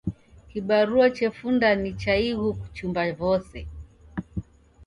Kibarua chefunda ni cha ighu kuchumba vose.